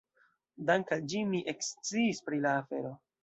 Dank' al ĝi mi eksciis pri la afero.